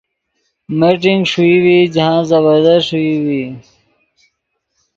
میٹنگ ݰوئی ڤی جاہند زبردست ݰوئی ڤی۔